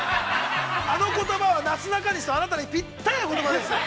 あの言葉は、なすなかにしとあなたにぴったりの言葉です。